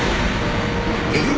えっ！？